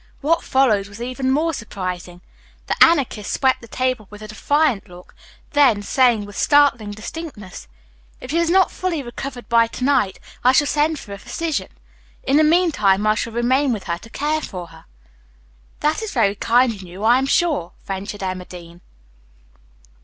What followed was even more surprising. The Anarchist swept the table with a defiant look, then said, with startling distinctness, "If she has not fully recovered by to night I shall send for a physician. In the meantime I shall remain with her to care for her." "That is very kind in you, I am sure," ventured Emma Dean.